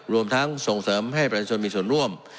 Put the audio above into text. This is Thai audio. รวมทั้งส่งเสริมให้ประชาชนมีส่วนร่วม